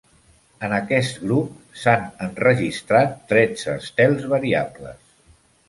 En aquest grup s'han enregistrat tretze estels variables.